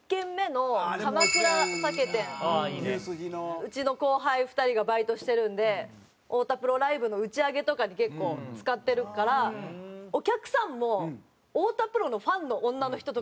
うちの後輩２人がバイトしてるんで太田プロライブの打ち上げとかに結構使ってるからお客さんも太田プロのファンの女の人とかいっぱいいるんですよ。